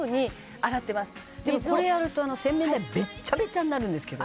「でもこれやると洗面台ベッチャベチャになるんですけど」